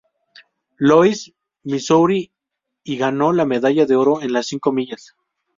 Louis, Missouri y ganó la medalla de oro en las cinco millas.